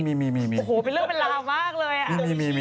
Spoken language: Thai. มีอู๋โห้เป็นเรื่องเบลามากเลย